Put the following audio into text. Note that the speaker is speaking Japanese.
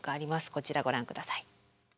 こちらご覧下さい。